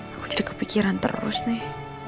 aku jadi kepikiran terus nih